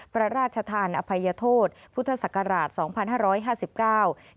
พระราชทานอภัยโทษพุทธศักราช๒๕๕๙